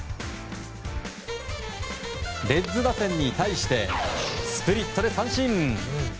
レッズ打線に対してスプリットで三振。